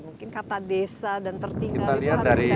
mungkin kata desa dan tertinggal itu harusnya tidak tinggal